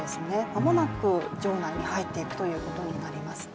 間もなく城内に入っていくということのようです。